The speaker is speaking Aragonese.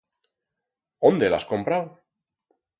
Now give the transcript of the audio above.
Ónde l'has comprau?